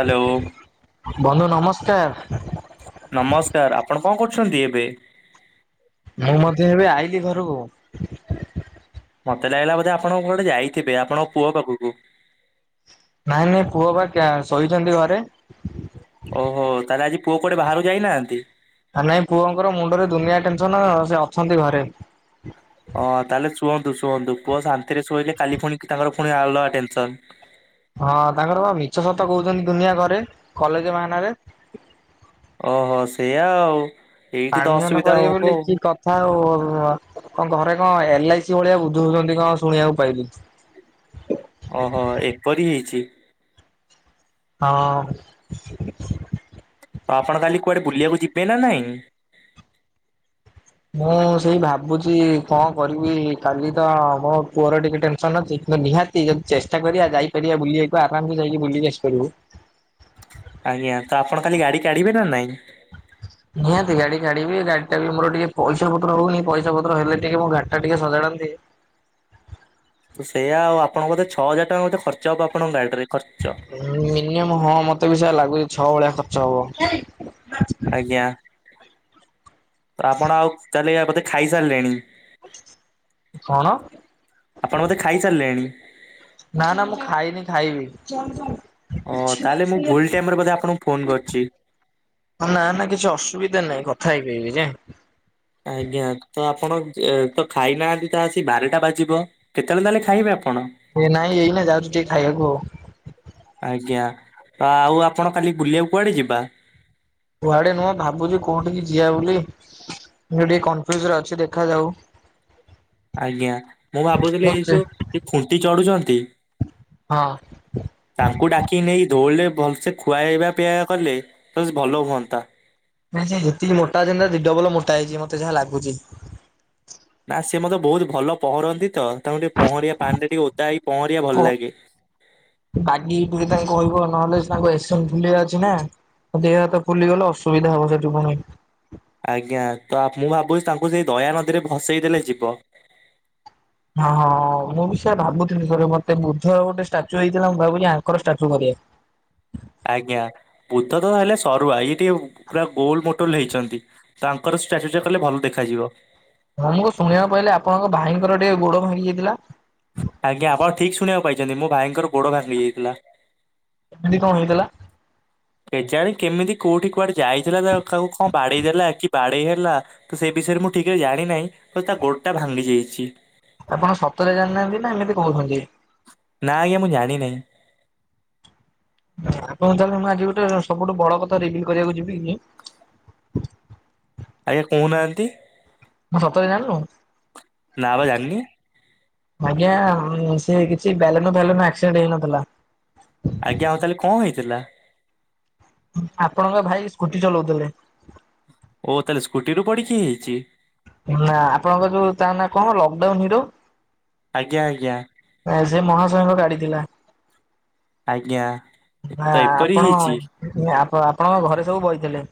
Hello. ବନ୍ଧୁ ନମସ୍କାର। ନମସ୍କାର ଆପଣ କଅଁ କରୁଚନ୍ତି ଏବେ? ମୁଁ ମଧ୍ୟ ଏବେ ଆଇଲିି ଘରକୁ। ମତେ ଲାଗିଲା ବୋଧେ ଆପଣ କୋଆଟେ ଯାଇଥିବେ ଆପଣଙ୍କ ପୁଅ ପାଖକୁ। ନାଇଁ ନାଇଁ ପୁଅ ବା ଟା ଶୋଇଛନ୍ତି ଘରେ। ଓହୋ ତାହେଲେ ଆଜି ପୁଅ କୁଆଡେ ବାହାରୁ ଯାଇନାହାନ୍ତି। ନାଇଁ ପୁଅଙ୍କର ମୁଣ୍ଡରେ ଦୁନିଆ ଟେନସନ ସେ ଅଛନ୍ତି ଘରେ। ହଁ ତାହେଲେ ଶୁଅନ୍ତୁ ଶୁଅନ୍ତୁ ପୁଅ ଶାନ୍ତିରେ ଶୋଇଲେ କାଲି ପୁଣି ତାଙ୍କର ପୁଣି ଆଲଗା ଟେନସନ। ହଁ ତାଙ୍କର ବା ମିଛ ସତ କହୁଛନ୍ତି ଦୁନିଆ ଘରେ କଲେଜ ବାହାନା ରେ ଓହୋ ସେଇଆ ଆଉ ଏଇଠି ତ ଆଡମିସନ ଅସୁବିଧା କରିବେ ହବ ବୋଲି ଆଉ। କି କଥା ଆଉ କଣ ଘରେ କଣ ଏଲ ଆଇ ସି ଭଳିଆ ବୁଝଉଛନ୍ତି କଣ ଶୁଣିବାକୁ ପାଇଲି। ଓହୋ ଏପରି ହେଇଛି। ହଁ। ଆପଣ କାଲି କୁଆଡେ ବୁଲିବାକୁ ଯିବେ ନା ନାଇଁ? ମୁଁ ସେଇ ଭାବୁଛି କଣ କରିବି କାଲି ତ ମୋ ପୁଅର ଟିକେ ଟେନସନ ଅଛି କିନ୍ତୁ ନିହାତି ଯଦି ଚେଷ୍ଟା କରିବା ଯାଇପାରିବା ବୁଲିିବାକୁ ଆରାମସ ଯାଇକି ବୁଲି ଆସିପାରିବୁ। ଆଜ୍ଞା ତ ଆପଣ ଖାଲି ଗାଡି କାଢିବେ ନା ନାଇଁ? ନିହାତି ଗାଡି କାଢ଼ିବି ଗାଡି ଟା ବି ମୋର ଟିକେ ପଇସା ପତ୍ର ହଉନି ପଇସା ପତ୍ର ହେଲେ ଟିକେ ମୋ ଗାଡି ଟା ଟିକେ ସଜାଡ଼ନ୍ତି। ତ ସେଇଆାଉ ଆପଣଙ୍କ କେ ଛଅ ହଜାର ଟଙ୍କା ମେ ଖର୍ଚ୍ଚ ହବ ଆପଣଙ୍କ ଗାଡି ରେ ଖର୍ଚ୍ଚ। ମିନିମମ୍ ହଁ ମତେ ବି ସେୟା ଲାଗୁଛି ଛଅ ଭଳିଆ ଖର୍ଚ୍ଚ ହବ। ଆଜ୍ଞା। ତ ଆପଣ ଆଉ [unintelligible] ବୋଧେ ଖାଇସାରିଲେଣି। କଣ? ଆପଣ ବୋଧେ ଖାଇସାରିଲେଣି? ନା ନା ମୁଁ ଖାଇନି ଖାଇବି। ଓ ତାହେଲେ ମୁଁ ଭୁଲ ଟାଇମରେ ବୋଧେ ଆପଣଙ୍କୁ ଫୋନ କରିଛି। ନା ନା କିଛି ଅସୁବିଧା ନାହିଁ କଥା ହେଇପାରବି ଯେ। ଆଜ୍ଞା ତ ଆପଣ ତ ଖାଇନାହାନ୍ତି ତ ଆସି ବାରଟା ବାଜିବ। କେତେବେଳେ ତାହେଲେ ଖାଇବେ ଆପଣ। ଏ ନାଇଁ ଏଇନା ଯାଉଚି ଟିକେ ଖାଇବାକୁ ଆଉ। ଆଜ୍ଞା ଆଉ ଆପଣ କାଲି ବୁଲିବାକୁ କୁଆଡେ ଯିବା। କୁଆଡେ ନୁହଁ ଭାବୁଚି କୋଉଠିକି ଯିିଆ ବୋଲି। ମୁଁ ଟିକେ କନଫ୍ୟୁଜରେ ଅଛି ଦେଖାଯାଉ। ଆଜ୍ଞା ମୁଁ ଭାବୁଥିଲି ଏଇ ଯୋଉ ଖୁଣ୍ଟି ଚଢୁଚନ୍ତି ହଁ। ତାଙ୍କୁ ଡାକି ନେଇକି ଦଉଳିଲେ ଭଲସେ ଖୁଆଇବା ପିଇବା କଲେ ତ ସେ ଭଲ ହୁଅନ୍ତା। ନାଇଁ ସେ ଯେତିକି ମୋଟାଅଛନ୍ତିନା ଦିଡବଲ ମୋଟା ହେଇଜିବେ ମତେ ଯାହା ଲାଗୁଛି। ନା ସେ ମଦ ବୋହୁତ ଭଲ ପଁହଁରନ୍ତି ତ ତାଙ୍କୁ ଟିକେ ପହଁରିବା ପାଣି ରେ ଟିକେ ଓତା ହେଇ ପହଁରିବା ଭଲ ଲାଗେ। ବାଗି ଟିକେ ତାଙ୍କୁ କହିବ ନହେଲେ ତାଙ୍କୁ ଏସନ ଫୁଲିଆ ଅଛି ନା। ଦେହ ହାତ ଫୁଲିଗଲେ ଅସୁବିଧା ହବ ସେଟୁ ପୁଣି। ଆଜ୍ଞା ତ ମୁଁ ଆବୁଚି ତାଙ୍କୁ ସେଇ ଦୟାନଦୀରେ ଭସେଇ ଦେଲେ ଯିବ। ହଁ ହଁ ମୁଁ ବି ସେ ଭାବୁଥିଲି ସେରେ ମତେ ବୁଦ୍ଧର ଗୋଟେ ଷ୍ଟାଚୁ ହେଇଥିଲା ମୁଁ ଭାବୁଲି ଆଙ୍କର ଷ୍ଟାଚୁ କରିବେ। ଆଜ୍ଞା ବୁଦ୍ଧ ତ ହେଲେ ସରୁଆ ଇଏ ଟିକେ ପୁରା ଗୋଲ ମୋଟଲ ହେଇଛନ୍ତି। ତାଙ୍କର ଷ୍ଟାଚଚୁ ଟା କଲେ ଭଲ ଦେଖାଯିବ। ହଁ ମୁଁ ଶୁଣିବାକୁ ପାଇଲି ଆପଣଙ୍କ ଭାଇଙ୍କର ଟିକେ ଗୋଡ ଭାଙ୍ଗି ଯାଇଥିଲା। ଆଜ୍ଞା ଆପଣ ଠିକି ଶୁଣିବାକୁ ପାଇଛନ୍ତି ମୋ ଭାଇଙ୍କର ଗୋଡ ଭାଙ୍ଗି ଯାଇଥିଲା। ଏମିତି କଣ ହେଇଥିଲା। କେଜାଣି କେମିତି କୋଉଠି କୁଆଡେ ଯାଇଥିଲା ତା କାକୁ କଣ ବାଡେଇ ଦେଲା କି ବାଡେଇ ହେଲା ତ ସେଇ ବିଷୟରେ ମୁଁ ଠିକିରେ ଜାଣିିନାହିଁ ତ ତା ଗୋଡଟା ଭାଙ୍ଗି ଯାଇଛି। ଆପଣ ସତରେ ଜାଣିନାହାନ୍ତି ନା ଏମିତି କୋହୁଚନ୍ତି। ନା ଆଜ୍ଞା ମୁଁ ଜାଣିିନହିଁ। ଆପଣ ତାହେଲେ ମୁଁ ଆଜି ଗୋଟେ ସବୁଠୁ ବଡ କଥା ରିଭିଲି କରିବାକୁ ଯିବିକି। ଆଜ୍ଞା କୋହୁନାହାନ୍ତି। କ ସତରେ ଜାଣିନୁ। ନାଁ ବା ଯାନିନି। ଆଜ୍ଞା ସେ କିଛି ବେଲୁନୁ ଫେଲୁନୁ ଆସେକ୍ସଡେ ଦେଇନଥିଲା। ଆଜ୍ଞା ଆଉ ତାହେଲେ କ ହେଇଥିଲା। ଆପଣଙ୍କ ଭାଇ ସ୍କୁଟି ଚଲଉଥିଲେ। ଓ ତାହେଲେ ସ୍କୁଟିରୁୁ ପଡିକି ହେଇଛି। ନା ଆପଣଙ୍କ ଯୋଉ ତା ନାଁ କଣ ଲକଡାଉନ ହିରୋ ଆଜ୍ଞା ଆଜ୍ଞା। ସେ ମହାଶୟଙ୍କ ଗାଡି ଥିଲା। ଆଜ୍ଞା। ନା ତ ଏପରି ଆପଣ ହେଇଛି। ଆପ ଆପଣଙ୍କ ଘରେ ସବୁ ବଇଥିଲେ।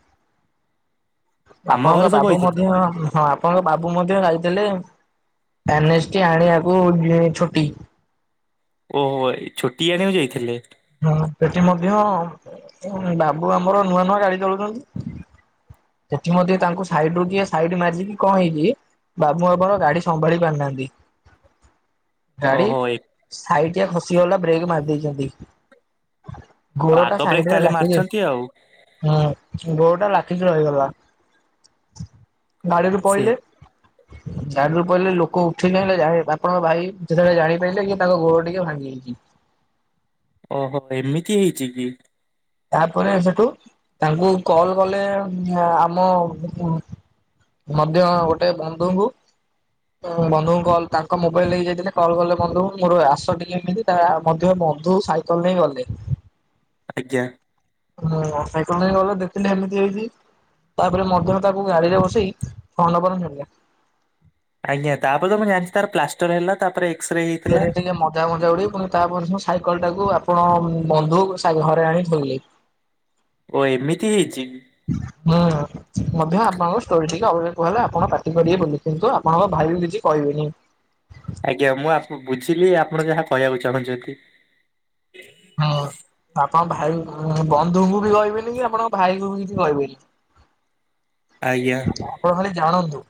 ଆମ ଘରେ ଆପଣଙ୍କ ସବୁ ବାବୁ ହେଇଥିଲେ ମଧ୍ୟ ହଁ ଆପଣଙ୍କ ବାବୁ ମଧ୍ୟ ରାଇଥିଲେ ଏନଷ୍ଟି ଆଣିବାକୁ ଯିଏ ଛୁଟି। ଓହୋ ଏ ଛୁଟି ଆଣିବାକୁ ଯାଇଥିଲେ। ହଁ ସେଟି ମଧ୍ୟ ବାବୁ ଆମର ନୂଆ ନୂଆ ଗାଡି ଚଲଉଚନ୍ତି। ସେଠି ମଧ୍ୟ ତାଙ୍କୁ ସାଇଟିରୁ କିଏ ସାଇଟି ମାର୍ଚ୍ଚି କି କଁ ହେଇଚି ବାବୁ ଆମର ଗାଡି ସମ୍ଭାଳି ପାରିନାହାନ୍ତି। [inaudible] ଗାଡି ଏ ସାଇଟି ଆ ଖସିଗଲା ବ୍ରେକ୍ ମାରି ଦେଇଚନ୍ତି। ଘୋଳ ଆଗ ଟା ବ୍ରେକ୍ ସାଇଟିରେ ତାହେଲେ ଲାଖି କି ଅ ମାରିଛନ୍ତି ଆଉ। ହଁ ଗୋଡ ଟା ଲାଖିକି ରହିଗଲା। ଗାଡ଼ିରୁ ସେ ପଇଲେ। ଚାରରୁ ପଇଲେ ଲୋକ ଉଠେଇ ନେଲେ ଯା ବାପା ଭାଇ ଭାଇ ଯେତେବେଳେ ଜାଣିପାରିଲେ କି ତାଙ୍କ ଗୋଡ ଟିକେ ଭାଙ୍ଗି ଯାଇଛି। ଓହୋ ଏମିତି ହେଇଛି କି। ତାପରେ ସେଠୁ ତାଙ୍କୁ କଲ୍ କଲେ ଆମ ମଧ୍ୟ ଗୋଟେ ବନ୍ଧୁଙ୍କୁ। ତ ବନ୍ଧୁଙ୍କୁ କଲ ତାଙ୍କ ମୋବାଇଲି ନେଇକି ଯାଇଥିଲେ କଲ୍ କଲେ ବନ୍ଧୁ ଙ୍କୁ ମୁଁ କହିଲି ଆସ ଟିକେ ଏମିତି। ତା ମଧ୍ୟ ବନ୍ଧୁ ସାଇକେଲ ନେଇ ଗଲେ। ଆଜ୍ଞା। ହଁ ହଁ ସାଇକେଲରେ ଗଲେ ଦେଖିଲେ ଏମିତି ହେଇଛି। ତାପରେ ମଧ୍ୟ ତାକୁ ଗାଡିରେ ବସେଇ ଫୋନ ନମ୍ବର ନେଲେ। ଆଜ୍ଞା ତାପରେ ତ ମୁଁ ଜାଣିଛ ତାର ପ୍ଲାଷ୍ଟର ହେଲା ତାପରେ ଏକ୍ସରେ ହେଇଥିଲା। ଫେରେଇ ଦେଲେ ମ ଯାହା ମଜା ଉଡେଇ ଫୁଣି ତା ପର ଦିନ ସାଇକଲଟାକୁ ଆପଣ ବନ୍ଧ ଉପରେ ସା ତା ଘରେ ଆଣି ଥୋଇଲେ। ଓ ଏମିତି ହେଇଛି। ଉ ଆ। ମଧ୍ୟ ଆପଣଙ୍କ ଷ୍ଟୋରରେ ଟିକେ ଅଭିଭେକ ହେଲା ଆପଣ ପାଟି କରିବେ ବୋଲି କିନ୍ତୁ ଆପଣଙ୍କ ଭାଇ ଙ୍କୁ କିଛି କହିବେନି। ଆଜ୍ଞା ମୁଁ ଆପ ବୁଝିଲି ଆପଣ ଯାହା କହିବାକୁ ଚାହୁଁଛନ୍ତି। ହଁ, ଆପଣଙ୍କ ଭାଇ ବନ୍ଧୁଙ୍କୁ ବି କହିବେନି କି ଆପଣଙ୍କ ଭାଇ କୁ ବି କିଛି କହିବେନି। ଆଜ୍ଞା। ଆପଣ ଖାଲି ଜାଣନ୍ତୁ।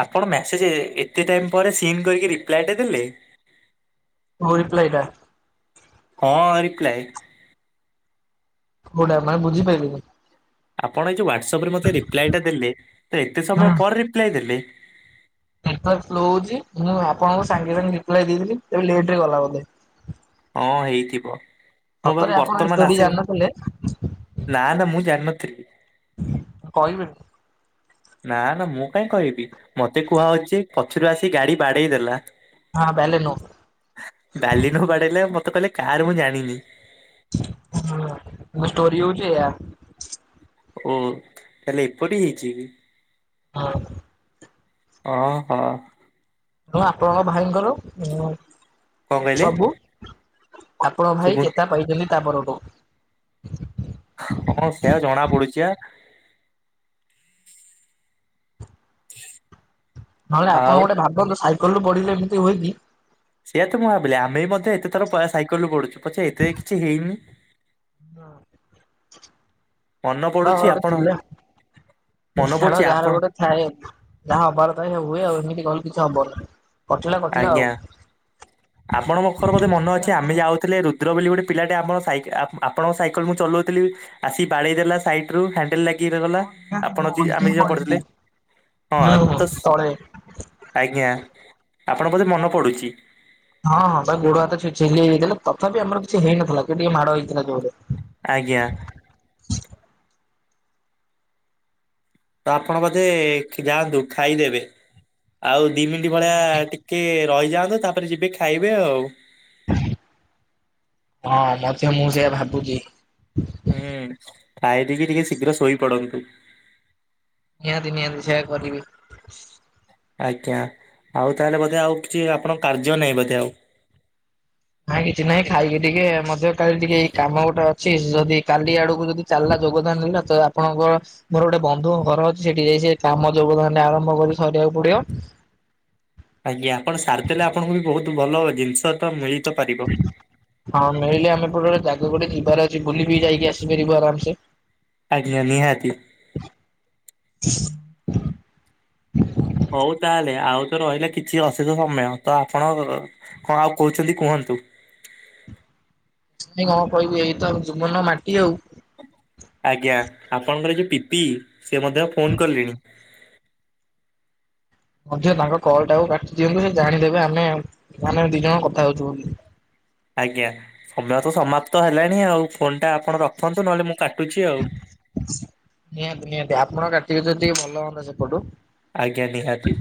ଆପଣ ମ୍ୟାସେଜ୍ ଏତେ ଟାଇମ୍ ପରେ ସିନ୍‌ କରିକି ରିପ୍ଲାଏଟେ ଦେଲେ। କଉ ରିପ୍ଲାଇଟା ହଁ ରିପ୍ଲାଇ। କୋଉଟା ମାନେ ବୁଝିପାଇଲିନି। ଆପଣ ଏଜୋଉ ହ୍ୱାଟସଆପ ରେ ମୋତେ ରିପ୍ଲାଏ ଟା ଦେଲେ ଏତେ ସମୟ ହୁଁ। ପରେ ରିପ୍ଲାଏ ଦେଲେ। ସାର୍ ସ୍ଲୋ ହଉଛି ମୁଁ ଆପଣଙ୍କୁ ସାଙ୍ଗେ ସାଙ୍ଗେ ରିପ୍ଲାଏ ଦେଇଥିଲି ତେବେ ଲେଟ ରେ ଗଲା ବୋଧେ। ହଁ ହେଇଥିବ, ମୋ ସତରେ ପାଖକୁ ଆପଣ ଏ ବର୍ତ୍ତମାନ ଷ୍ଟୋରି ଆସିନି। ଜାଣିନଥିଲେ ନା ନା ମୁଁ ଜାଣିନଥିଲି। କହିବେନି। ନା ନା ମୁଁ କାଇଁ କହିବି ମତେ କୁହା ହଉଛି ପଛରୁ ଆସି ଗାଡି ବାଡେଇ ଦେଲା। ହଁ ବେଲେ ନୁ ଡ଼ାଲିନୁ ବାଡେଇଲା ମତେ କହିଲେ କାହାର ମୁଁ ଜାଣିନି। ହଁ ମୁ କହିଲି ଷ୍ଟୋରି ହଉଚି ଏଇଆ। ଓ ତାହଲେ ଏପରି ହେଇଛି। ହଁ। ଅ ହଁ। ତ ଆପଣଙ୍କ ଭାଇଙ୍କର କଣ କହିଲେ? ଆପଣଙ୍କ ଭାଇ ଶୁଭୁ ଚେତା ପାଇଛନ୍ତି ତା ପରଠୁ। ହଁ ସେଇଆ ଜଣା ପଡୁଛି ଆ। ନହେଲେ ଆପଣ ଆଉ ଗୋଟେ ଭାବନ୍ତୁ ସାଇକେଲରୁୁ ପଡିଲେ ଏମିତି ହୁଏ କିି। ସେଇଆ ତ ମୁଁ ଭାବିଲି ଆମେ ବି ମଧ୍ୟ ଏତେ ଥର ସାଇକେଲରୁୁ ପଡୁଛୁ ପଛେ ଏତେତ କିଛି ହେଇନି। ମନ ଝାଡ ପଡୁଛି ଗୋଟେ ଆପଣ ଥିଲା ମନ ଝାଡ ପଡ଼ୁଛି ଯାହାର ଆପଣ ଗୋଟେ ଥାଏ ଯାହା ହବାର ତ ସେ ହୁଏ ଆଉ ଏମିତି କହିଲେ କିଛି ହବନି। କଟିଲା କଟିଲା ଆଉ। ଆପଣ ବଖର ବୋଧେ ମନ ଅଛି ଆମେ ଯାଉ ଥିଲେ ରୁଦ୍ର ବୋଲି ଗୋଟେ ପିଲାଟେ ଆମର ସାଇକେ ଆପ ଆପଣଙ୍କ ସାଇକେଲ ମୁଁ ଚଲଉଥିଲି। ଆସି ବାଡେଇ ଦେଲା ସାଇଡ ରୁ ହ୍ୟାଣ୍ଡେଲ ଲାଗ [unintelligible] ଗଲା ଆପଣ ଦି ଆମେ ଦି ଜଣ ପଡିଲେ ହଁ ହୁଁ ହୁଁ ତ। ତଳେ ଆଜ୍ଞା ଆପଣ ବୋଧେ ମନ ପଡୁଛି। ହଁ ହଁ ତା ଗୋଡ, ହାତ ଛେ-ଛେଲି ଦେଲୁ। ତଥାପି ଆମର କିଛି ହେଇନଥିଲା କେ ଟିକେ ମାଡ଼ ହେଇଥିଲା ଜୋରେ। ଆଜ୍ଞା। ତ ଆପଣ ବୋଧେ କେ ଯାଆନ୍ତୁ ଖାଇଦେବେ ଆଉ ଦି ମିଣ୍ଟି [unintelligible] ଟି କେ ରହିଯାଆନ୍ତୁ ତାପରେ ଯିବେ ଖାଇବେ ଆଉ। ହଁ ମଧ୍ୟ ମୁଁ ସେୟା ଭାବୁଛି। ଏଁ ଖାଇ ଦେଇକି ଟିକେ ଶୀଘ୍ର ଶୋଇପଡନ୍ତୁ। ନିହାତି ନିହାତି ସେୟା କରିବି। ଆଜ୍ଞା ଆଉ ତାହେଲେ ବୋଧେ ଆଉ କିଛି ଆପଣଙ୍କ କାର୍ଯ୍ୟ ନାହିଁ ବୋଧେ ଆଉ। ନାଇଁ କିଛି ନାହିଁ ଖାଇକି ଟିକେ ମଧ୍ୟ କାଲି ଟିକେ ଏଇ କାମ ଗୋଟେ ଅଛି ଯଦି କାଲି ଆଡକୁ ଯଦି। ଚାଲିଲା ଯୋଗଦାନ [unintelligible] ତ ଆପଣଙ୍କର। ମୋର ଗୋଟେ ବନ୍ଧୁଙ୍କ ଘର ଅଛି ସେଠି ଯାଇ ସେ କାମ ଯୋଗ [unintelligible] ଆରମ୍ଭ କରି ସରିବାକୁ ପଡିବ। ଆଜ୍ଞା ଆପଣ ସାରିଦେଲେ ଆପଣଙ୍କୁ ବି ବହୁତ ଭଲ ଜିନିଷ ତ ମିଳି ତ ପାରିବ। ହଁ ମିଳିଲେ ଆମେ [unintelligible] ଜାଗା ଗୋଟେ ଯିବାର ଅଛି ବୁଲିିକି ଯାଇକି ଆସିପାରିବୁ ଆରାମସେ। ଆଜ୍ଞ ନିହାତି। ହଉ ତାହେଲେ ଆଉ ତ ରହିଲା କିଛି ଅଛି ତ ସମୟ ତ ଆପଣ। କଣ ଆଉ କହୁଛନ୍ତି କୁହନ୍ତୁ? [unintelligible] କଣ କହିବୁ ଏଇ ତ ଜୀବନ ମାଟି ଆଉ। ଆଜ୍ଞା ଆପଣଙ୍କର ଯୋଉ ପି ପି ସେ ମଧ୍ୟ ଫୋନ୍ କଲେଣି? ଅଧିକ ତାଙ୍କ କଲ୍ ଟା କୁ କାଟି ଦିଅନ୍ତୁ ସେ ଜାଣିଦେବେ ଆମେ ମାନେ ଦି ଜଣ କଥା ହଉଛୁ ବୋଲି। ଆଜ୍ଞା ସମୟ ତ ସମାପ୍ତ ହେଲାଣି ଆଉ ଫୋନ୍ ଟା ଆପଣ ରଖନ୍ତୁ ନହେଲେ ମୁଁ କାଟୁଛି ଆଉ। ନିହାତି ନିହାତି ଆପଣ କାଟିବେ ଯଦି ଭଲ ହୁଅନ୍ତା ସେପଟୁ। ଆଜ୍ଞା ନିହାତି।